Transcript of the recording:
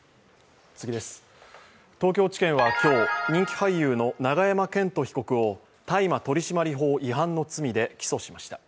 東京地検は今日、人気俳優の永山絢斗被告を大麻取締法違反の罪で起訴しました。